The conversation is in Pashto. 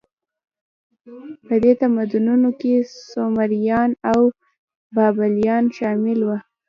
په دې تمدنونو کې سومریان او بابلیان شامل وو.